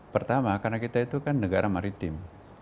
pertama karena kita itu kan negara maritim